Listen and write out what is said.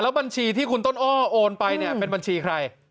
บัญชีที่คุณต้นอ้อโอนไปเนี่ยเป็นบัญชีใคร